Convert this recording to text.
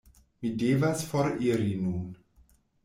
Mi devas foriri nun.